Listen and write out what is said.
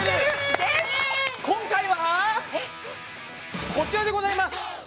今回はこちらでございます。